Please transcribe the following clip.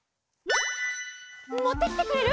もってきてくれる？